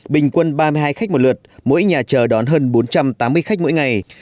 bình quân ba mươi hai khách một lượt mỗi nhà chờ đón hơn bốn trăm tám mươi khách mỗi ngày